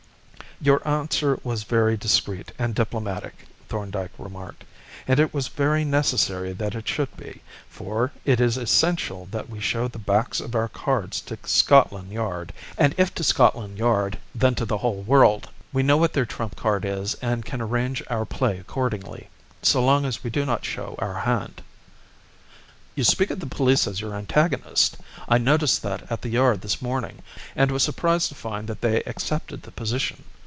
"Your answer was very discreet and diplomatic," Thorndyke remarked, "and it was very necessary that it should be, for it is essential that we show the backs of our cards to Scotland Yard; and if to Scotland Yard, then to the whole world. We know what their trump card is and can arrange our play accordingly, so long as we do not show our hand." "You speak of the police as your antagonists; I noticed that at the 'Yard' this morning, and was surprised to find that they accepted the position.